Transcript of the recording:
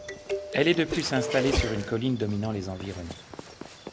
Elle est de plus installée sur une colline dominant les environs.